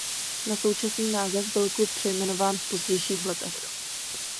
Na současný název byl klub přejmenován v pozdějších letech.